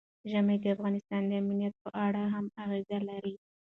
ژمی د افغانستان د امنیت په اړه هم اغېز لري.